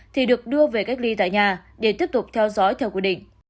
thì được đưa về cách ly tại nhà để tiếp tục theo dõi theo quy định